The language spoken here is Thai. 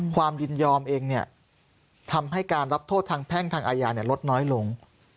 ยินยอมเองทำให้การรับโทษทางแพ่งทางอาญาลดน้อยลง